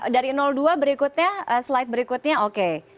dari dua berikutnya slide berikutnya oke